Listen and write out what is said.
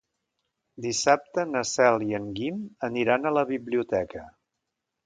Dissabte na Cel i en Guim aniran a la biblioteca.